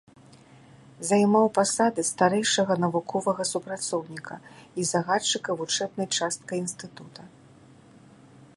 Займаў пасады старэйшага навуковага супрацоўніка і загадчыка вучэбнай часткай інстытута.